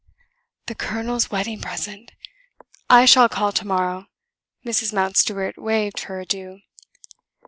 "The colonel's wedding present! I shall call to morrow." Mrs. Mountstuart waved her adieu.